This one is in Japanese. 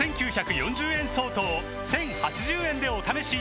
５９４０円相当を１０８０円でお試しいただけます